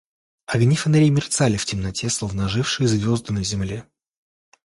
Огни фонарей мерцали в темноте, словно ожившие звезды на земле.